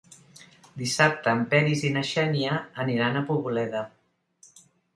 Dissabte en Peris i na Xènia aniran a Poboleda.